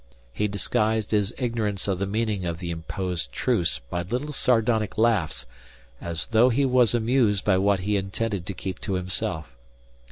He disguised his ignorance of the meaning of the imposed truce by little sardonic laughs as though he were amused by what he intended to keep to himself.